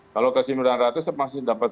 kalau ke sembilan ratus masih dapat